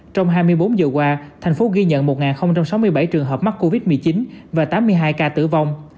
trong hai mươi bốn giờ qua thành phố ghi nhận một sáu mươi bảy trường hợp mắc covid một mươi chín và tám mươi hai ca tử vong